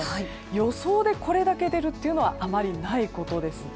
予想でこれだけ出るというのはあまりないことです。